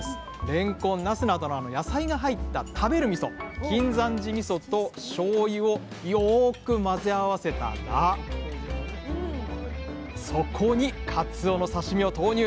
れんこんなすなどの野菜が入った食べるみそ「金山寺みそ」としょうゆをよく混ぜ合わせたらそこにかつおの刺身を投入。